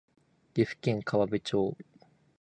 岐阜県川辺町